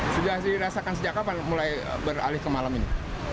sudah dirasakan sejak kapan mulai beralih ke malam ini